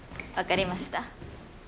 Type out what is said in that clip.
分かりました。